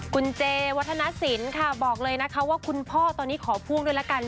คุณเจวัฒนศิลป์ค่ะบอกเลยนะคะว่าคุณพ่อตอนนี้ขอพ่วงด้วยละกัน